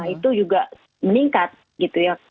itu juga meningkat gitu ya